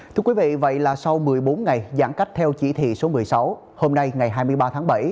thưa quý vị vậy là sau một mươi bốn ngày giãn cách theo chỉ thị số một mươi sáu hôm nay ngày hai mươi ba tháng bảy